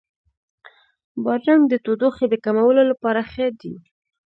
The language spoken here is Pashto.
بادرنګ د تودوخې د کمولو لپاره ښه دی.